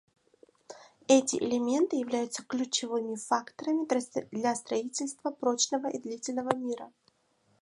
Эти элементы являются ключевыми факторами для строительства прочного и длительного мира.